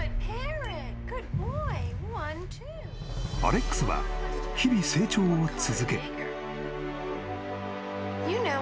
［アレックスは日々成長を続け］